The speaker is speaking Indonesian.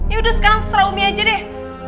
yaudah sekarang setelah umi aja deh